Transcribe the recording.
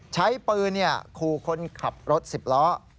ใช้ปืนขู่คนขับรถ๑๐ล้อ